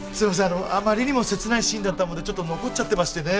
あのあまりにも切ないシーンだったもんでちょっと残っちゃってましてね。